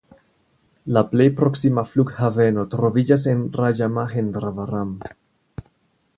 La plej proksima flughaveno troviĝas en Raĝamahendravaram.